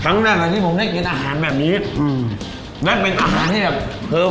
เส้นนี่เส้นนี่เส้นนี่เส้นนี่เส้นเส้นนี่เส้นนี่เส้นนี่เส้น